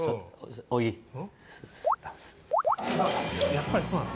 やっぱりそうなの？